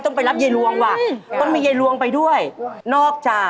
ต้องไปรับเยลวงน์แหวะต้องมีเยลวงไปด้วยนอกจากใช่